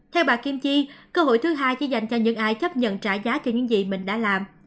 theo bà kim chi cơ hội thứ hai chỉ dành cho những ai chấp nhận trả giá cho những gì mình đã làm